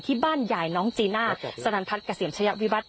ที่บ้านหยายน้องจีน่าสรรพัฏกัศียมชะยักษ์วิบัติ